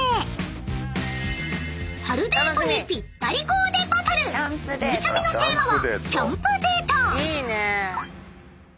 ［春デートにぴったりコーデバトルゆうちゃみのテーマは］